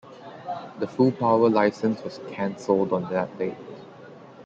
The full-power license was cancelled on that date.